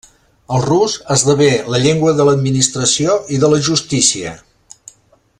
El rus esdevé la llengua de l'administració i de la justícia.